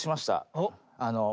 おっ？